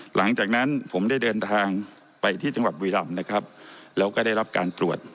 หลังจากนั้นผมได้เดินทางไปที่จังหวัดบุรีรำนะครับแล้วก็ได้รับการตรวจ